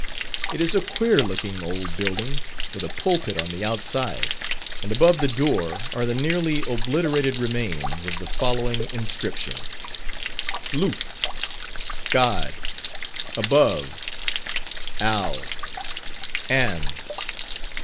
It is a queer looking old building, with a pulpit on the outside, and above the door are the nearly obliterated remains of the following inscription: "Lufe. God. Above. Al. And.